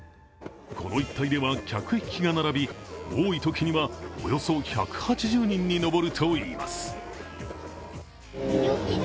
この一帯では客引きが並び、多いときではおよそ１８０人に上るといいます。